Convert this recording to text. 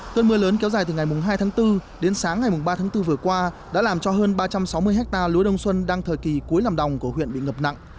cơn mưa lớn kéo dài từ ngày hai tháng bốn đến sáng ngày ba tháng bốn vừa qua đã làm cho hơn ba trăm sáu mươi ha lúa đông xuân đang thời kỳ cuối làm đồng của huyện bị ngập nặng